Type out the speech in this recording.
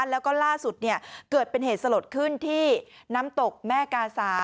แล้วก็ล่าสุดเกิดเป็นเหตุสลดขึ้นที่น้ำตกแม่กาสา